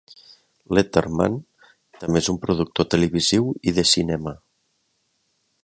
Letterman també és un productor televisiu i de cinema.